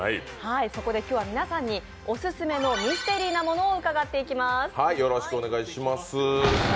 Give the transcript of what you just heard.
そこで今日は皆さんに、オススメのミステリーなものを伺っていきます。